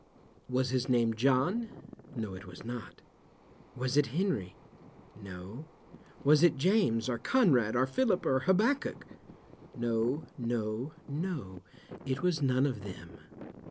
"Was his name John?" "No, it was not." "Was it Henry?" "No." "Was it James or Conrad or Phillip or Habbakuk?" "No, no, no; it was none of them."